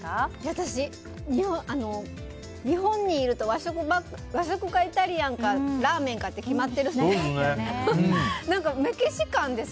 私、日本にいると和食かイタリアンかラーメンかって決まってるんで。